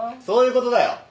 そういうことだよ。